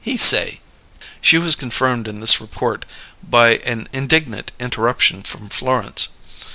He say " She was confirmed in this report by an indignant interruption from Florence.